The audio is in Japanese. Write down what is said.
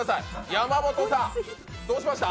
山本さんどうしました？